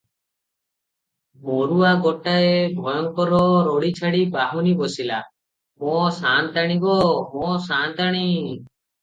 ମରୁଆ ଗୋଟାଏ ଭୟଙ୍କର ରଡ଼ି ଛାଡ଼ି ବାହୁନି ବସିଲା --"ମୋ ସାଆନ୍ତଣି ଗୋ; ମୋ ସାଆନ୍ତାଣି!